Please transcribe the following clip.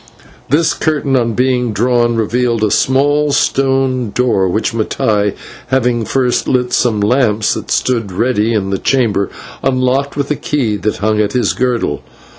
This curtain, on being drawn, revealed a small stone door, which Mattai, having first lit some lamps that stood ready in the chamber, unlocked with a key which hung at his girdle.